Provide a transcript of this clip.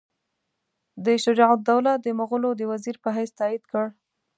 ده شجاع الدوله د مغولو د وزیر په حیث تایید کړ.